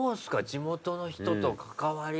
地元の人と関わり。